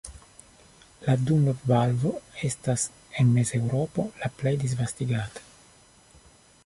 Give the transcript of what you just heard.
La "Dunlop-valvo" estas en Mezeŭropo la plej disvastigata.